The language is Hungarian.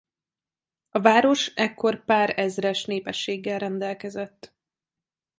A város ekkor pár ezres népességgel rendelkezett.